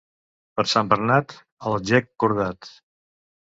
Per Sant Bernat, el gec cordat.